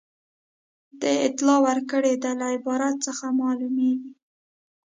د اطلاع ورکړې ده له عبارت څخه معلومیږي.